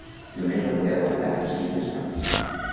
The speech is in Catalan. Només va poder aguantar cinc assalts.